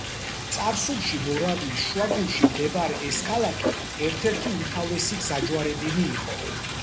წარსულში, მორავიის შუაგულში მდებარე ეს ქალაქი ერთ-ერთი უმთავრესი გზაჯვარედინი იყო.